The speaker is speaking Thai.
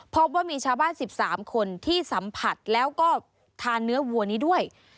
พบว่ามีชาวบ้าน๑๓คนที่สัมผัสแล้วก็ทานเนื้อวัวนี้ด้วย